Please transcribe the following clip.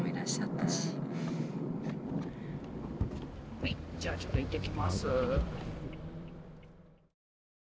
はいじゃあちょっと行ってきます。